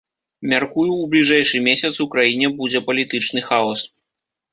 Мяркую, у бліжэйшы месяц у краіне будзе палітычны хаос.